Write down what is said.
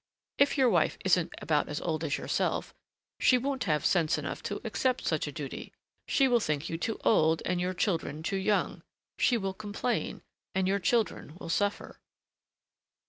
If your wife isn't about as old as yourself, she won't have sense enough to accept such a duty. She will think you too old and your children too young. She will complain, and your children will suffer."